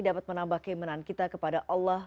dapat menambah keimanan kita kepada allah